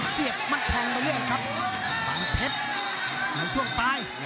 เสียบมันทองไปเรียกครับบางเพชรหลังช่วงปลาย